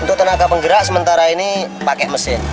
untuk tenaga penggerak sementara ini pakai mesin